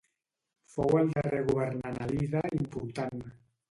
Fou el darrer governant alida important.